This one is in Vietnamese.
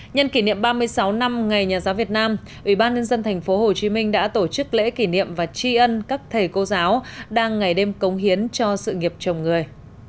nhân kỷ niệm ba mươi sáu năm ngày nhà giáo việt nam ubnd tp hcm đã tổ chức lễ kỷ niệm và tri ân các thầy cô giáo đang ngày đêm công hiến cho sự nghiệp chồng người